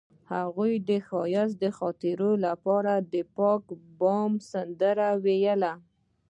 هغې د ښایسته خاطرو لپاره د پاک بام سندره ویله.